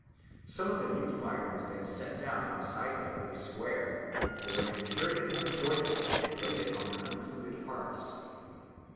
Some of the new fire was then set down outside the holy square; the women carried it home joyfully, and laid it on their unpolluted hearths.